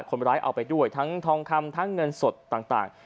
คนร้ายเอาไปด้วยทั้งทองคำทั้งเงินสดต่าง